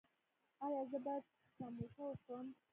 ایا زه باید سموسه وخورم؟